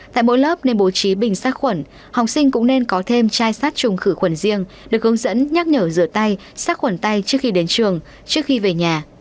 tại mỗi lớp nên bố trí bình sát khuẩn học sinh cũng nên có thêm chai sát trùng khử khuẩn riêng được hướng dẫn nhắc nhở rửa tay sát khuẩn tay trước khi đến trường trước khi về nhà